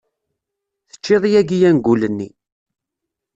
Tecciḍ yagi angul-nni.